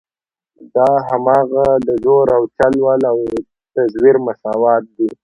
دا هماغه د زور او چل ول او تزویر مساوات دي.